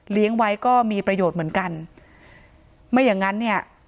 ไว้ก็มีประโยชน์เหมือนกันไม่อย่างงั้นเนี่ย